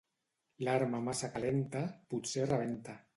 L'arma massa calenta, potser rebenta.